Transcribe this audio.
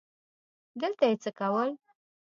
دلته یې څه کول ؟